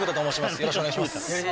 よろしくお願いします。